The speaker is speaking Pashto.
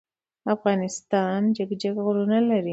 افغانستان جګ جګ غرونه لری.